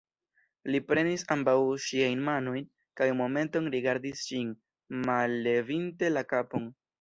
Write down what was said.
Li prenis ambaŭ ŝiajn manojn kaj momenton rigardis ŝin, mallevinte la kapon